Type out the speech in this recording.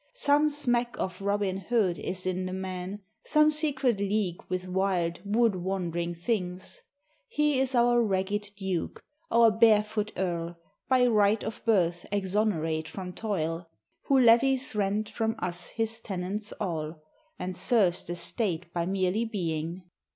Some smack of Robin Hood is in the man, Some secret league with wild wood wandering things ; He is our ragged Duke, our barefoot Earl, By right of birth exonerate from toil, 20 UNDER THE WILLOWS. Who levies rent from us his tenants all, And serves the state by merely being.